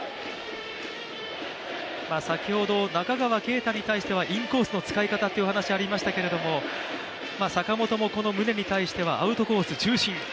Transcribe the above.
先ほど中川圭太に関してはインコースの使い方っていうのがありましたけど、坂本もこの宗に対してはアウトコース中心。